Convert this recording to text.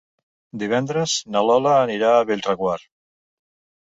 Divendres na Lola anirà a Bellreguard.